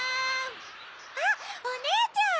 あっおねえちゃん！